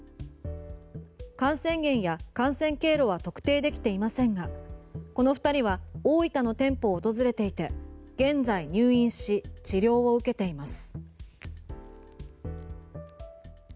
感染源や感染経路は特定できていませんがこの２人は大分の店舗を訪れていて現在、入院し治療を受けています。